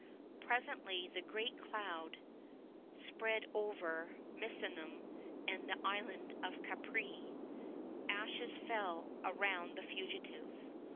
Presently the great cloud spread over Misenum and the island of Capreæ. Ashes fell around the fugitives.